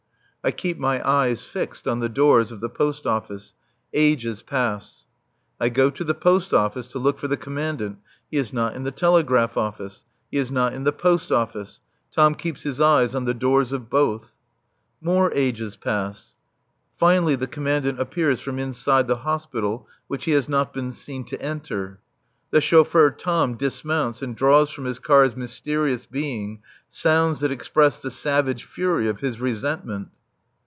I keep my eyes fixed on the doors of the Post Office. Ages pass. I go to the Post Office to look for the Commandant. He is not in the Telegraph Office. He is not in the Post Office. Tom keeps his eyes on the doors of both. More ages pass. Finally, the Commandant appears from inside the Hospital, which he has not been seen to enter. The chauffeur Tom dismounts and draws from his car's mysterious being sounds that express the savage fury of his resentment.